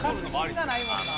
自信がないもんな。